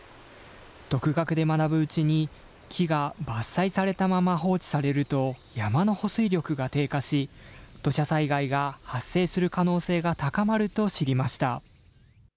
独学で学ぶうちに、木が伐採されたまま放置されると、山の保水力が低下し、土砂災害が発生する可能性が高まると知りました。